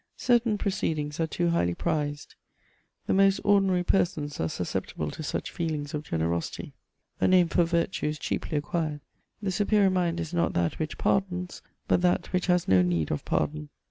Certain proceedings are too highly prized; the most ordinary persons are susceptible to such feelings of generosity. A name for virtue is cheaply acquired: the superior mind is not that which pardons, but that which has no need of pardon.